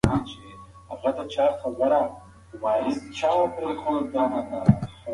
نیمه سپوږمۍ اوږده موده د ځمکې نږدې پاتې کېږي.